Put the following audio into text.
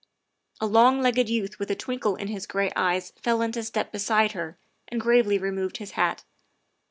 '' A long legged youth with a twinkle in his gray eyes fell into step beside her and gravely removed his hat.